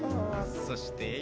そして。